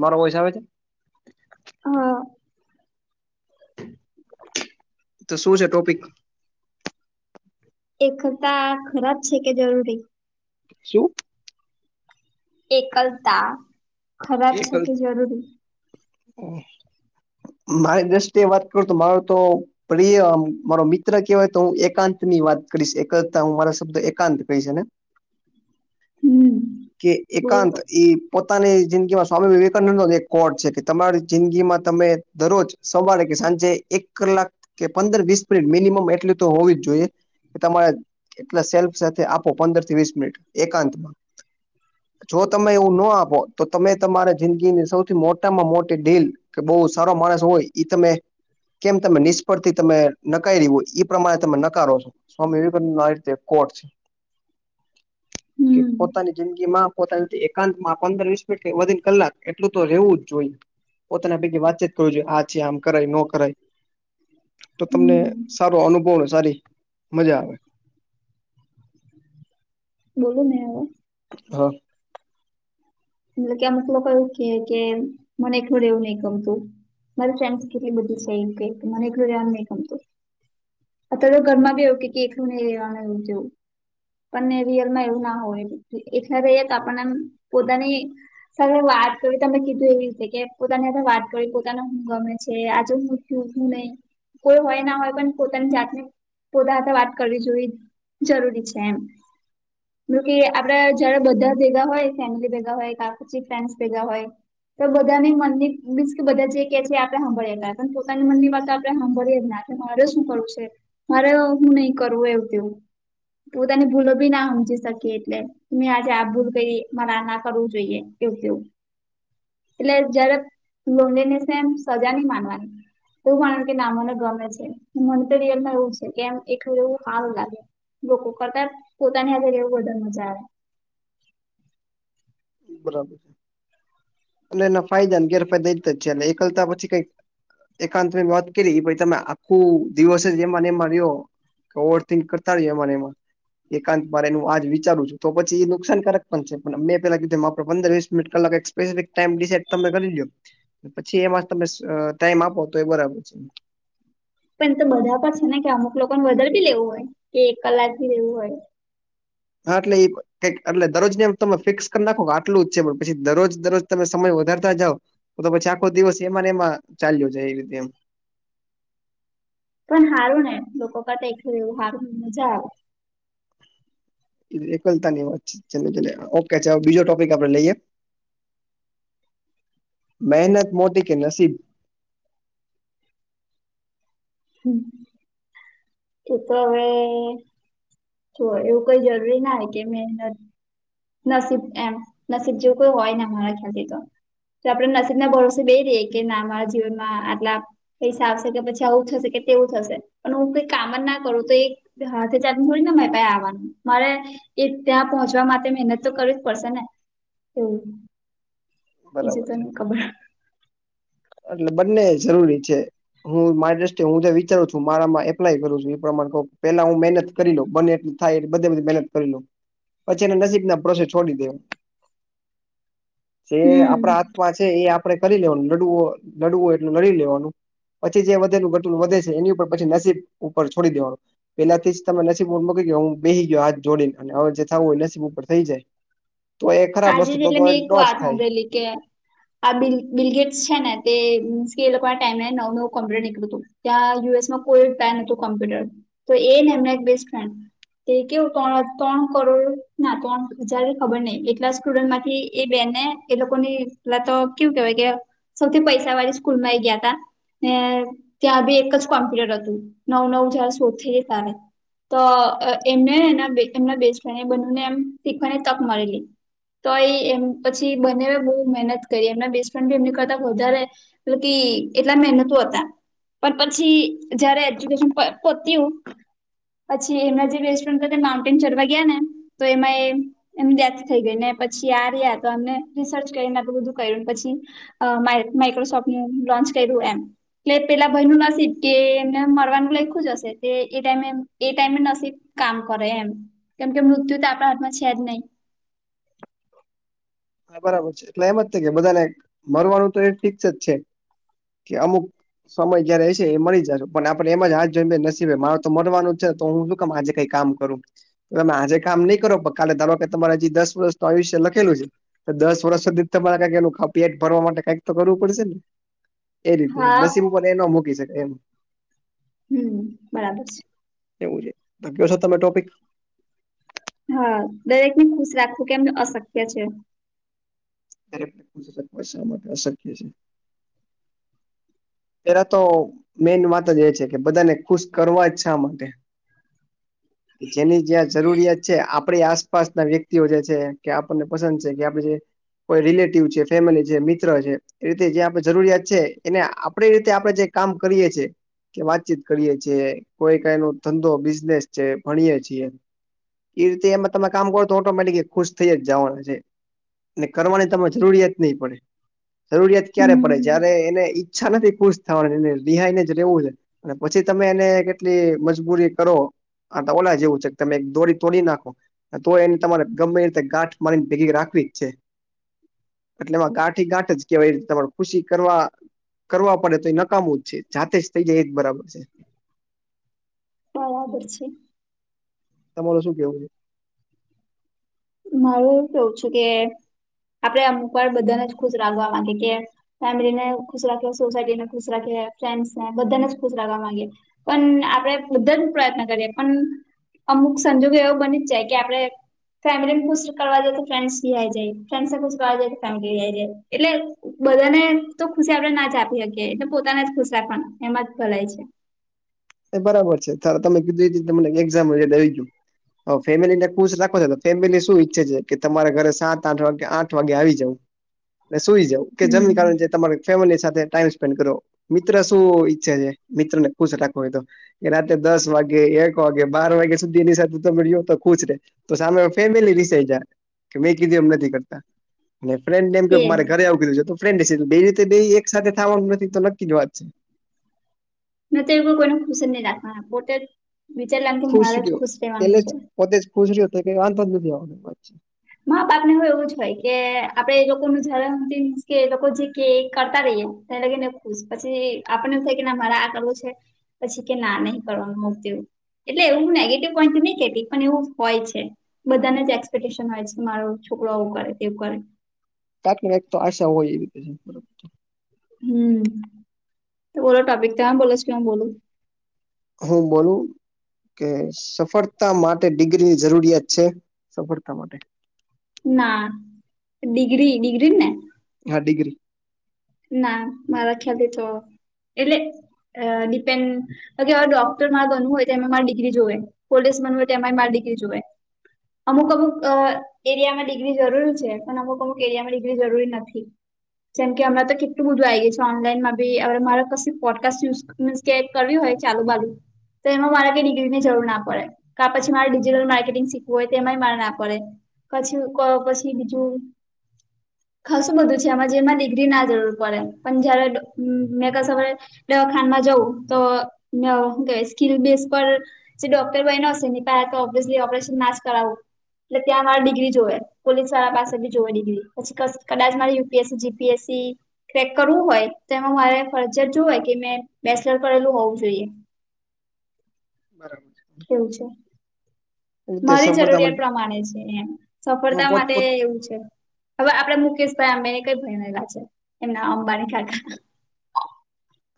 મારો વોઇસ આવે છે? હા તો શું છે? ટોપિક એકલતા ખરાબ છે. કે જરૂરી શું એકલતા ખરાબ એક છે. કે જરૂરી મારી દ્રષ્ટિએ વાત કરું તો મારુ તો પ્રિય મારો મિત્ર કહેવાય. તો હું એકાંત ની વાત કરીશ. એકલતા હું મારા શબ્દ એકાંત કહીશ. એને હમ કે બોલો એકાંત તો એ પોતાની જિંદગી સ્વામી વિવેકાનંદ નો જ એક કોડ છે. કે તમારી જિંદગીમાં તમે દરરોજ સવારે કે સાંજે એક કલાક કે પંદર-વીસ મિનિટ મિનિમમ એટલી તો હોવી જ જોઈએ કે તમારે એટલે સેલ્ફ સાથે આપો. પંદર થી વીસ મિનિટ એકાંતમાં જો તમે એવું ન આપો. તો તમે તમારી જિંદગીની સૌથી મોટામાં મોટી ઢીલ કે બહુ સારો માણસ હોય ઈ તમે કેમ! તમે નિષ્ફળ થી તમે નકારી હોય. એ પ્રમાણે તમે નકારો છો સ્વામી વિવેકાનંદ નો આ રીતે કોડ છે. કે હમ પોતાની જિંદગી માં પોતાની એકાંત માં પંદર વીસ મિનિટ... વધીને કલાક એટલું તો રહેવું જ જોઈએ. પોતાના ભેગી વાતચીત કરવી જોઈએ આ છે. આમ કરાય, ન કરાય તો તમને હમ સારો અનુભવને સારી મજા આવે. બોલું ને હ હા મલ કે અમુક લોકો કે મને એકલુ રેવું નહીં ગમતું મારી ફ્રેન્ડસ કેટલી બધી છે એમ કે મને ઘરે આવું નથી ગમતું અત તો ઘરમાં બી આવુ કે એકલુ નહી રહેવાનું એવું તેવું આપને રિયલમાં એવું ના હોય એ આપણને પોતાની [inaudible] સાથે વાત કરી તમે કીધું એવી રીતે કે પોતાની સાથે વાત કરી પોતાને હું ગમે છે. આજે હું શું નહી કોઈ હોય ના હોય પણ પોતાની જાતને પોતા સાથે વાત કરવી જોવી જરૂરી છે. એમ એ કે આપડા જયારે બધા ભેગા હોય ફેમિલી ભેગા હોય કા પછી ફ્રેન્ડસ ભેગા હોય તો બધાની મનની બી કેધા જે ક છે. એ આપણે સાંભળેલા પોતાની મનની વાત આપણે સાંભળીએ જ ના મારે શું કરવું છે. મારે હું નહી કરવું એવું તેવું પોતાની ભૂલો બી ના સમજી શકી એટલે આજે આપ ભૂલ કરી મરા ના કરું જોઈએ એવું કેવું એટલે જય્યારે લોનલીલેશ ને સજા નહી માનવાની એવું કારણ કે ના મને ગમે છે મને તો રીયલમાં એવું છે. કેમ એવું સારું લાગે લોકો કરતા પોતાની હાથે એવું વધારે મજા આવે બરાબર છે અને એના ફાયદાને ગેરફાયદા એ જ છે. એટલે એકલતા પછી કઈક એકાંત વાત કરી ભાઈ તમે આખું દિવસે જ એમા એ એમા રિયો ઓવરથીક કરતા રએ એમા એમાં. એકાંત મારે નું આજ વિચારું છું તો પછી એ નુકસાનકારક પણ છે પણ અમે. પેલાી કીધું તેમ પંદર વિસ મિનિટ કલાક [unintelligible] તમે કરી દો. પછી એમાં તમે ટાઈમ આપો તો એ બરાબર છે. પણ તો બધા પર છે ને કે અમુક લોકોને બદલ ભી લેવું હોય કે એક કલાક ભી લેવું હોય. હા એટલે કઈક એટલે દરરોજ ને આમ તમે ફિક્સ કરી નાખો કે આટલું જ છે પણ પછી દરરોજ દરરોજ તમે સમય વધારતા જાવ. તો તો પછી આખો દિવસ એમાંને એમાં ચાલ્યો છે એવી રીતે એમ. પણ હારું ને લોકો કરતા એખલુ રેવું હારું મજા આવે. એકલતા ની વાત છે છેલ્લે છેલ્લે ઓકે બીજો ટોપિક આપને લઈએ. મહેનત મોટી કે નસીબ. હમ્મ તે તો હવે જો એવું કઈ જરૂરી ના હોયે કે મહેનત. નસીબ એમ નસીબ જેવું કોઈ હોય ને અમારા ખ્યાથી તો. તો આપડણે નસીબ ના ભરોસેો બે રહીએ કે ના મારા જીવનમાં આટલા. પૈસા આવશે કે પછી આવું થશે કે તેવું થશે પણ હું કઈ કામન ના કરું તો એક. થી ચાર મળડીને મે આવવાનું મારે એ ત્યાં પહોંચવા માટે. મહેનત તો કરવી જ પડશે ને એવું બરાબર બીજું છે. તન ખબર. એટલે બંને જરૂરી છે. હું મારી દ્રષ્ટ હું વિચારું છું મારામાં એપ્લાય કરું છું એ પ્રમા પેલા હું મહેનત. કરી લો બને એટલું થાય એટ બધ બધી મહેનત કરી લો. પછી એને નસીબ ના ભરોસે છોડી દે. જે હમ આપણા હાથમાં છે એ આપડે કરી લેવાનું લડુ. લડવું હોય એટલે લડી લેવાનું. પછી જે વધેલું ઘટલું વધે છે એની ઉપર પછી નસીબ ઉપર છોડી દેવાનું. પેલાથી જ તમે નસીબ ઉપર મૂકી ગયો હું બેહી ગયો હાથ જોડીને અને હવે જે થવું હોય નસીબ ઉપર થઈ જાય. તો એ ખરાબ આજે વસ્તુ જ તો એટલે તો મેં ન એક જ વાત થાય. સાંભળેલી કે. આ બલ બિલગેટ્સ છે ને તે મીન્સ કે એ લોકો ટાઈમે નવ નવું કોમ્પ્યુટર કળું હતું. ત્યાં યુએસમાં કોઈ પેન હતું કોમ્પ્યુટર તો એ ને એમને એક બેસ્ટ ફ્રેન્ડ તે કેવું ત્રણ ત્રણ કરોડ ના ત્રણ હજાર ખબર નહિ એટલા સ્ટુડન્ટ માંથી એ બેને એ લોકોની પેલા તો કેવું કેહેવાય કે સૌથી પૈસા વાળી સ્કૂલમાં ઈ ગયા તા ત્યાં ત્યાં બી એક જ કોમ્પ્યુટર હતું નવ નવ જાર શોથી ત્યારે તો એમને હે એમના બેસ્ટ ફ્રેન્ડ બનને એમ શીખવાની તક મળેલી. તો ઈ એમ પછી બને બહુ મહેનત કરી એમના બેસ્ટફ્રેન્ડી એમ કરતાં વધારે તો તે એટલા મહેનતો હતા. પણ પછી જયારે એજ્યુકેશન પ પત્યું પછી એમના જે બેસ્ટ ફ્રેન્ડ કરતા માઉન્ટેન ચડવા ગયા ને તો એમાં એ એમની ડેથ થઈ ગઈ ને પછી આ રહ્યા તો એમને રિસર્ચ કરીને આટલું બધું કર્યુંને પછી અ માં માઇક્રોસોફ્ટનું લોન્ચ કર્યું એમ. એટલે પેલા ભાઈ નું નસીબ કે એમને મરવાનું લખું જ હશે કે એ ટાઈમે એ ટાઈમે નસીબ કામ કરે એમ કેમ કે મૃત્યુ તો આપણા હાથમાં છે જ નહી. હા બરાબર છે એટલે એમ જ છે કે બધાને મરવાનું તો એ ફિક્સ જ છે કે અમુક સમય કય્યારે એ છે એ મરી જશે કે પણ આપડણે એમ જ હા જોય નસીબ માણસ તો મરવાનું છે તો હું મા જઈ કામ કરું તમે આજે કામ નહીં કરો પણ કાલે ધારો કે તમારે હજી દસ વર્ષ તો આયુષ્ય લખેલું છે. દસ વર્ષ સુધી તમારે કઈક એનુ પેટ ભરવા માટે કંઈક તો કરવું પડશે ને. એ રીતે હા નસીબો પણ એનો મૂકી શકાય એમ. હમ્મ બરાબર છે. એવું છે તમે કયો છો ટોપિક? હા દરેક ને ખુશ રાખવું કે એમને અશક્ય છે. ત્યારે પૂછી શકાય માટે અશક્ય છે. પેલા તો મેન વાત જ એ છે કે બધાને ખુશ કરવા જ શા માટે? કે જેની જ્યાં જરૂરિયાત છે આપણી આસપાસ ના વ્યક્તિઓ જે છે કે આપણને પસંદ છે કે આપણે જે કોઈ રિલેટિવ છે, ફેમિલી છે, મિત્ર છે, એ રીતે જે આપણે જરૂરિયાત છે એને આ આપણી રીતે આપણે જે કામ કરીએ છીએ કે વાતચીત કરીયે છીએ કોઈ કંઈ નો ધંધો બિઝનેસ છે ભણીએ છીએ એ રીતે એમાં તમે કામ કરો તો ઓટોમેટિક ખુશ થઈ જવાનું છે. ને કરવાની તમે જરૂરિયાત નહીં પડે. જરૂરિયાત ક્યારે હમ પડે જ્યારે એને ઈચ્છા નથી ખુશ થવાની એને રિહાઈ ને જ રહેવું છે. અને પછી તમે એને કેટલી મજબૂરી કરો હા તો ઓલા જેવું છે તમે દોડી તોડી નાખો. તો એને તમારે ગમે રીતે ગાંઠ મારીને ભેગી રાખવી જ છે. એટલે એમાં ગાંઠી ગાંઠ જ કેવા એ રીતે તેમા ખુશી કરવા કરવા પડે તો એ નકામું જ છે જાતે જ થઇ જાય એ જ બરાબર છે. હા બરાબર છે. તમારુ શું કેવું છે? મારું એવું કેવું છું કે આપડે અમુક વાર બધાને જ ખુશ રાખવા માંગે કે ફેમિલી ને ખુશ રાખે સોસાયટી ને ખુશ રાખે ફ્રેન્ડ્સ ને બધાને જ ખુશ રાખવા માંગે. પણ આપડે બધા જ પ્રયત્ન કરીએ પણ અમુક સંજોગો એવો બની જ જાય કે આપણે ફેમિલી ખુસ કરવા જાય તો ફ્રેન્સ રિહાઈ જાય ફ્રેસે કરવા જાય તો ફેમિલી રિહાઈ જાય એટલે બધાને તો ખુશી આપડે ના જ આપી શકીએ એટલે પોતાને જ ખુશ રાખવા એમાં જ ભલાઈ છે. એ બરાબર છે તમે કીધું એ રીતે તમને એક્ઝામ યાદ આવી ગયું. અ ફેમિલી ને ખુશ રાખો છો તો ફેમિલી શું ઈચ્છે છે કે તમારે ઘરે સાત-આઠ વાગ્યે આઠ વાગે આવી જવું. ને સુઈ જવું કે હમ જમી ને તમે ફેમિલી સાથે ટાઈમ સ્પેન્ડ કરો. મિત્ર શું ઈચ્છે છે મિત્ર ને ખુશ રાખવું હોય તો એ રાત્રે દસ વાગે, એક વાગે, બાર વાગે સુધી એની સાથે તમે જો તો ખુશ રે. તો સામે ફેમિલી રિસાય જાય મેં કીધું એમ નથી કરતા. અને ફ્રેન્ડને એમ કે, એજ મારે ઘરે આવું કીધું છે, તો ફ્રેન્ડ બે રીતે બે એક સાથે થવાનું નથી, તો નક્કી વાત છે. ને તો એવું કોઈને ખુશ નહીં રાખવાના, પોતે વિચાર લેમ કે મારે જ રહ્યો ખુશ રહેવાનું પેલે જ છે. પોતે જ ખુશ રહેવાનો વાધો જ નથી આવવાનો. મા-બાપ ને હ, એવું જ હોય કે આપડે એ લોકો નુ કે એ લોકો જે કહે, કરતા રહીએ. ત્યારે એ ખુશ પછી આપણને એવું થાય કે, મારે આ કરવું છે. પછી કે, ના નહીં કરવાનું એટલે એવું હું નેગેટિવ પોઈન્ટ નહીં કેતી, પણ એવું હોય છે, બધાને જ એક્સપેક્ટેશન હોય છે. મારો છોકરો આવું કરે, તેવું કરે. કાંઈક ને કાંઈક તો આશા હોય. હમ્મ તો બોલો, ટોપિક તે બોલો કે હુ બોલું હું બોલું. કે, સફળતા માટે ડિગ્રીની જરૂરિયાત છે, સફળતા માટે. ના, ડિગ્રી ડિગ્રીને. હા, ડિગ્રી. ના, મારા ખ્યાલ તો એટલે ડીપેન. હ, હવે ડોક્ટર મા બનવું હોય તો એમાં મારી ડિગ્રી જોઈએ, પોલીસ બનવું હોય તો એમાં ડિગ્રી જોઈએ. અમુક-અમુક. એરિયામાં ડિગ્રી જરૂરી છે, પણ અમુક અમુક એરિયામાં ડિગ્રી જરૂરી નથી, જેમ કે હમણાં તો કેટલું બધું આ ગયું છે ઓનલાઈનમાં બી હ મારે ક પોડકાસ્ટ યુઝ મીન્સ કે કરવી હોય ચાલુ બાજુ તો એમાં મારા કે ડિગ્રીની જરૂર ના પડે ક પછી મારે ડિજિટલ માર્કેટિંગ શીખવું હોય તે એમાંય મારે ના પડે પછી પછી બીજું કાસું બધું છે આમાં જેમાં ડિગ્રી ના જરૂર બ પણ જ્યારે મે કસ દવાખામાં જવું તો સ્કીલ બેસ પર જે ડોક્ટર બનો હશે પ તો ઓબ્વિયસલી ઓપરેશન ના જ કરાવવું એટલે ત્યાં મારી ડિગ્રી જોવે પોલીસ વાળા પાસે બી જોવે ડિગ્રી પછી કદાચ મારી યુપીએસસી જીપીએસસી ક્રેક કરવું હોય તો એમાં મારે ફરજત જો હોય કે મેં બેચલર કરેલું હોવું જોઈએ ખરેખર એવુ છે મારી સફળતા જરૂરિયાત મળી પ્રમાણે છે એમ સફળતા પોત માટે પોત એવું છે હવે આપડ મુકેશભાઈ આંબેની કઈ બાયડેલા છે એમના અંબાની ખાતા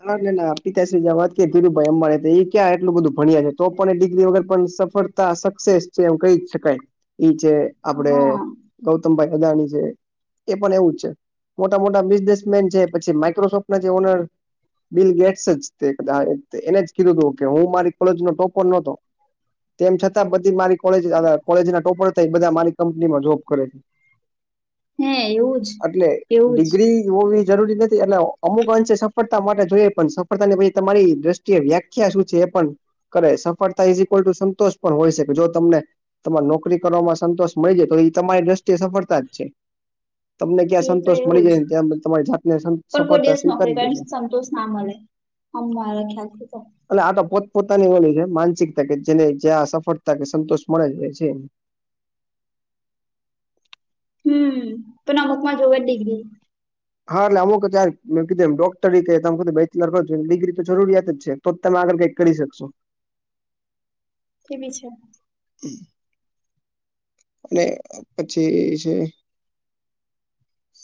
ના ના ના પિતાશ્રી વાત ધીરુભાઈ અમા તો એ ક્યા એટલું બધું ભણ્યા છે તો પણ એ ડિગ્રી વગર પણ સફળ સક્સેસ છે એમ કહી શકાય છે આપડે હા ગૌતમભાઈ અદાણી છે એ પણ એવું જ છે મોટા મોટા બિઝનેસમેન છે પછી માઈક્રોસોફ્ટ ના જે ઓનર બિલ ગેટ્સ તે કદાચ એને કીધું હતું કે હું મારી કોલેજ નો ટોપર નતો તેમ છતાં બધી મારી કોલેજ કોલેજ ના ટોપર થઈ બધા મારી કંપનીમાં જોબ કરે છે હે એવું જ એટલે એવું જ ડિગ્રી હોવી જરૂરી નથી અને અમુક અંશેે સફળ માટે જોઈએ પણ સફળતા ની પછી તમારી દ્રષ્ટિએ વ્યાખ્યા શું છે એ પણ કરે સફળતા ઇઝઇક્વલ ટુ સંતોષ પણ હોય શકે જો તમને તમારે નોકરી કરવામાં સંતોષ મળી જ તો એ તમારી દ્રષ્ટિએ સફળતા જ છ તમને ક્યાં એ તો સંતોષ મળી એવું જ જાયને ત્યાં તમારી જાતને સફળતા સ્વીકારી દેજો [unintelligible] અમ મારા ખ્યાલથી તો એટલે આ તો પોતપોતાની હોની છે માનસિકતા કે જેને જ્યા આ સફળતા કે સંતોષ મળે છે છે હમ્મ તોના અમુક માં જોવે ડિગ્રી હા એટલે અમુક યાર કીધૂ એમ ડોક્ટર રીતે તમ બેચલર કરો છો ડિગ્રી તો જરૂરિયાત જ છે તો તમે આગળ કંઈક કરી શકશો કેવી છે. [unintelligible] અને પછી [unintelligible]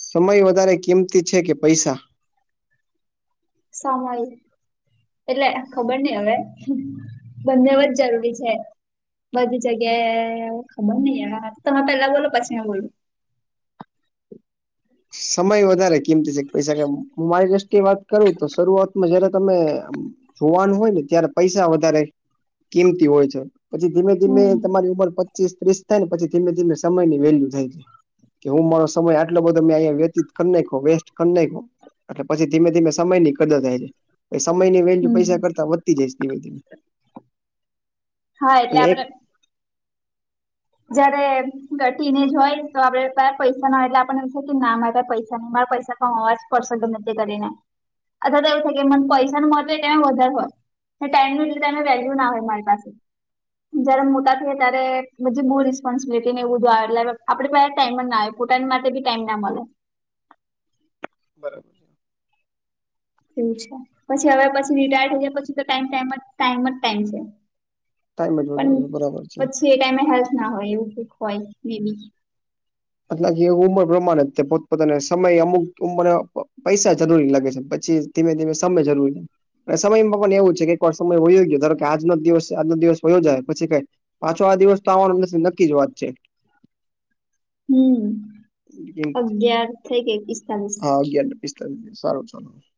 સમય વધારે કિંમતી છે, કે પૈસા. સમય. એટલે ખબર નઈ હવે બંનેવ જ જરૂરી છે. બધી જગ્યા ખબર નઈ તમે પેલા બોલો પછી એ બોલો. સમય વધારે કિમતી છે, પૈસા [unintelligible] મારી દ્રષ્ટિએ વાત. કરું તો શરૂઆતમાં જયારે તમે જોવાનું હોય ને ત્યારે પૈસા વધારે. કિંમતી હોય છે, પછી ધીમે ધીમે હમ તમારી ઉંમર. પચીસ ત્રીસ થાય ને પછી ધીમે ધીમે સમય ની વેલ્યુ થાય જાય કે હું મારો સમય આટલો બધો મેં. વ્યતીત કરી નાખો વેસ્ટ કરી નાખો એટલે પછી ધીમે ધીમે સમય નની કરર થાય છે. સમયની વેલ્યુ હમ પૈસા કરતા વધતી જાયશ ધીમે ધીમે હા એટલે અને આપડે એક. જયારે ટીનેજ હોય તો આપડે તાર પૈસા ના એટલે આપણને એ છે, કે ના મારે પૈસા ન મારા પૈસા. હ અવાજ પડશે નથી કરીને અથવા તો એવું થાય કે મને પૈસા ન મો હો કે વધારે હોય. ટાઈમની લી એમે વેલ્યુ ના હોય મારી પાસે જયારે [unintelligible] ત્યારે. [unintelligible] રિસ્પોન્સબિલિટી ને એ બું આવે લ આપડે ટાઈમ ના આવે પોતાની માટે બી ટાઈમ ના મળે. બરાબર. એવું છે, પછી હવે પછી રિટાયર થઈ જાય પછી તો [unintelligible] ટાઈમ જ ટાઈમ છે. ટાઈમ જ પણ બરાબર છે પછી એ ટાઈમે હેલ્થ ના હોય એવું હોય મે બી. [unintelligible] કે ઉંમર પ્રમાણે જ પોતપોતાને સમય અમુક ઉંમર પૈસા જરૂરી લાગે છે, પછી. ધીમે ધીમે સમય જરૂરી. લાગે સમયમાં પણ એવું છે, કે કો સમય હોયો ગયો [unintelligible] કે આજનો દિવસ આજનો દિવસ હોયો જાય પછી કઈ. પાછો આ દિવસ તો આવવાનો નક્કી જ વાત છે. હમ કેમ કે અગિયાર થઈ કે એકિસ્તાલીસ. [unintelligible] [unintelligible]